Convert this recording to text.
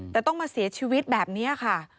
แต่ต้องมาเสียชีวิตแบบนี้ค่ะ